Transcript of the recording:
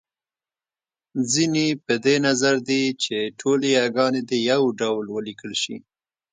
ځينې په دې نظر دی چې ټولې یاګانې دې يو ډول وليکل شي